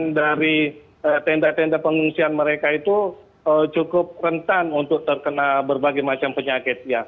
dan dari tenda tenda pengungsian mereka itu cukup rentan untuk terkena berbagai macam penyakit